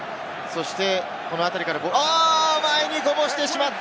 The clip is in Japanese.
このあたりから前にこぼしてしまった！